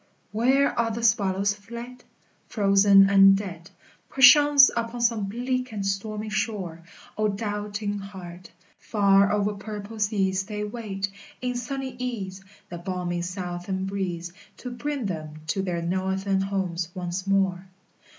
Where are the swallows fled? Frozen and dead Perchance upon some bleak and stormy shore. O doubting heart! Far over purple seas They wait, in sunny ease, The balmy southern breeze To bring them to their northern homes once more.